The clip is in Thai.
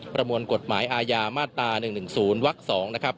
ประมวลกฎหมายอาญามาตรา๑๑๐วัก๒นะครับ